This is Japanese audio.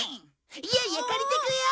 いやいや借りてくよ！